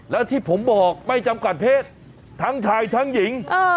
แล้วที่ผมบอกไม่จำกัดเพศทั้งชายทั้งหญิง